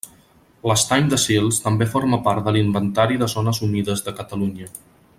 L'Estany de Sils també forma part de l'Inventari de zones humides de Catalunya.